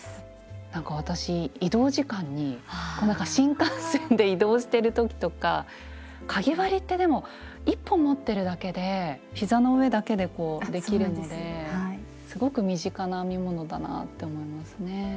なんか私移動時間に新幹線で移動してる時とかかぎ針ってでも１本持ってるだけでひざの上だけでこうできるのですごく身近な編み物だなぁって思いますね。